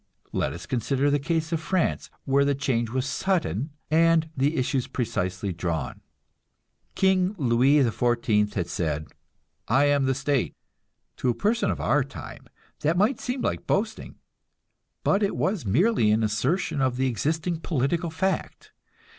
Let us consider the case of France, where the change was sudden, and the issues precisely drawn. King Louis XIV had said, "I am the state." To a person of our time that might seem like boasting, but it was merely an assertion of the existing political fact.